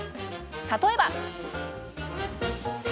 例えば。